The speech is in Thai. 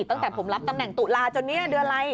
ตั้งแต่ผมรับตำแหน่งตุลาจนเนี่ยเดือนอะไร